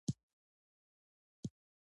خو هغه ورسره دا غوښتنه و نه منله.